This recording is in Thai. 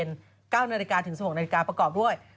๙นาฬิกาถึง๑๖นาฬิกาประกอบด้วย